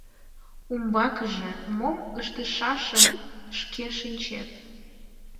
Умбакыже мом ыштышашым шке шинчет.